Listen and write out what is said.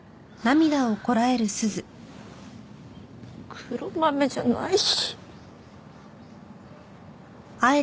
黒豆じゃないし。